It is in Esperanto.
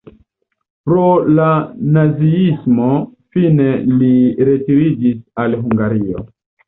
Pro la naziismo fine li retiriĝis al Hungario.